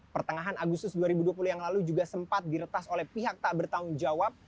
pertengahan agustus dua ribu dua puluh yang lalu juga sempat diretas oleh pihak tak bertanggung jawab